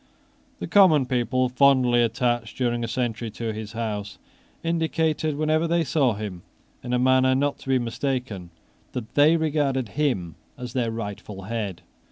The common people, fondly attached during a century to his house, indicated, whenever they saw him, in a manner not to be mistaken, that they regarded him as their rightful head.